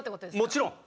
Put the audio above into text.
もちろん！